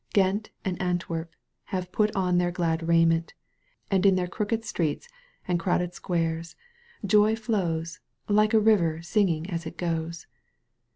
Ghent and Antwerp have put on their glad raiment, and in their crooked streets and crowded squares joy flows like a river singing as it goes.